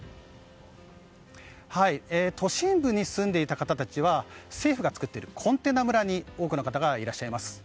都市部に住んでいた方たちは政府が作っているコンテナ村に多くの方がいらっしゃいます。